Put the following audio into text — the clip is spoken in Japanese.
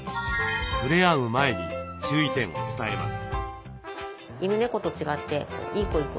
ふれあう前に注意点を伝えます。